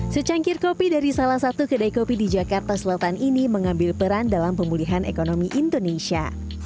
secangkir kopi dari salah satu kedai kopi di jakarta selatan ini mengambil peran dalam pemulihan ekonomi indonesia